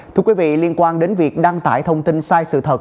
thưa quý vị liên quan đến việc đăng tải thông tin sai sự thật